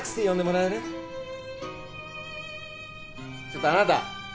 ちょっとあなた。